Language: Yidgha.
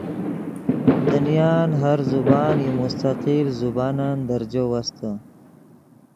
دنیان ہر زبان یو مستقل زبانن درجو وستے